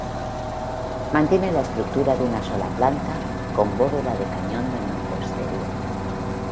Mantiene la estructura de una sola planta con bóveda de cañón de mampostería.